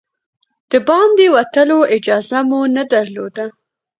د باندې وتلو اجازه مو نه درلوده.